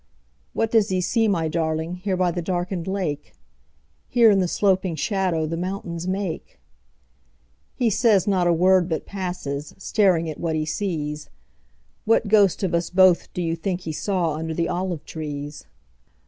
What does he see, my darlingHere by the darkened lake? Here, in the sloping shadowThe mountains make? He says not a word, but passes, Staring at what he sees. What ghost of us both do you think he sawUnder the olive trees?